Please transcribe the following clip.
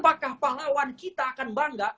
apakah pahlawan kita akan bangga